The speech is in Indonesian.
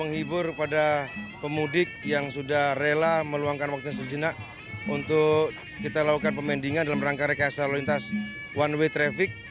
menghibur pada pemudik yang sudah rela meluangkan waktu sejenak untuk kita lakukan pemendingan dalam rangka rekayasa lalu lintas one way traffic